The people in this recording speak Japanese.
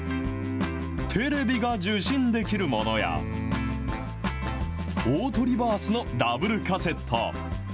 テレビが受信できるものや、オートリバースのダブルカセット。